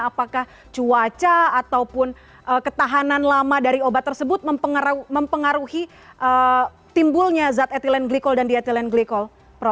apakah cuaca ataupun ketahanan lama dari obat tersebut mempengaruhi timbulnya zat etilen glikol dan diethylene glycol